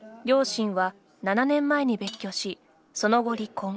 両親は７年前に別居しその後、離婚。